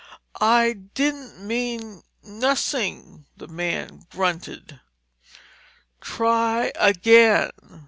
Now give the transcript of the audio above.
"I didn't mean nossing," the man grunted. "Try again!"